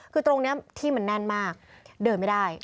คือตรงนี้ที่มันแน่นมากเดินไม่ได้